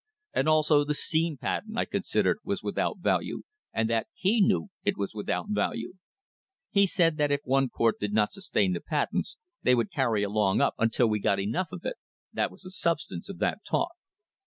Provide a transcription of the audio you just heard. And also the steam patent I considered was without value, and that he knew it was without value. He said that if one court did not sustain the patents they would carry along up until we got enough of it that was the substance of that talk."